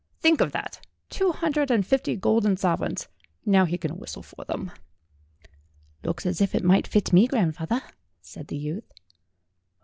Think of that two hundred and fifty golden sovereigns. Now he can whistle for them." "Looks as if it might fit me, grandfawther," said the youth.